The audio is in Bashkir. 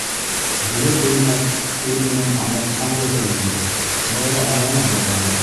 Белер-белмәҫ тел менән аңлатҡанбыҙҙыр инде, шулай ҙа аңланы бабай.